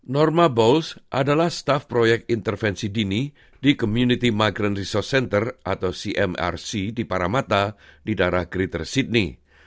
norma bouls adalah staf proyek intervensi dini di community migrant resource center atau cmrc di paramata di daerah greather sydney